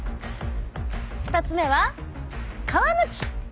２つ目は「皮むき」。